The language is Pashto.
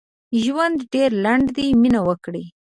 ژوند ډېر لنډ دي مينه وکړئ